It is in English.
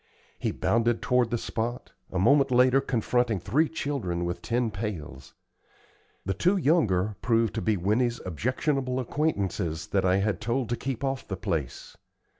He bounded toward the spot, a moment later confronting three children with tin pails. The two younger proved to be Winnie's objectionable acquaintances that I had told to keep off the place.